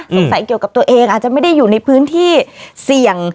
เกี่ยวกับตัวเองอาจจะไม่ได้อยู่ในพื้นที่เสี่ยง